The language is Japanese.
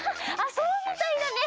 そうみたいだね！